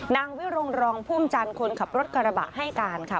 นางวิรงรองพุ่มจันทร์คนขับรถกระบะให้การค่ะ